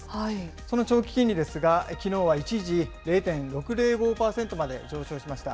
その長期金利ですが、きのうは一時０．６０５％まで上昇しました。